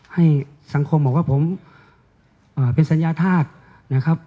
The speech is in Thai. ให้สังคมของผมเป็นสัญญาทากนะครับ